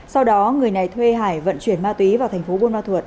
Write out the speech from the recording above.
sau đó người này thuê hải vận chuyển ma túy vào tp buôn ma thuột